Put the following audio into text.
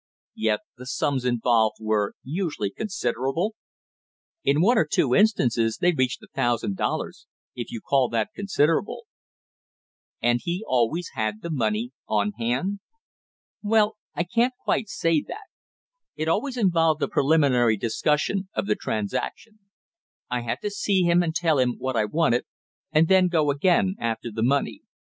"Yet the sums involved were usually considerable?" "In one or two instances they reached a thousand dollars, if you call that considerable." "And he always had the money on hand?" "Well, I can't quite say that; it always involved a preliminary discussion of the transaction; I had to see him and tell him what I wanted and then go again after the money.